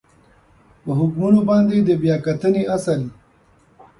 په حکمونو باندې د بیا کتنې اصل